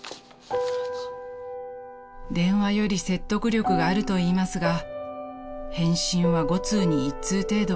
［電話より説得力があると言いますが返信は５通に１通程度］